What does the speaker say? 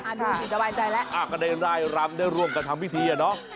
อ่าดูติดต่อบายใจแล้วอ่าก็ได้รายรำได้ร่วมกับทำพิธีอ่ะเนอะ